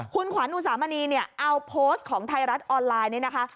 คุณขวัญอุสามณีเนี่ยเอาโพสต์ของไทยรัฐออนไลน์นี่นะคะ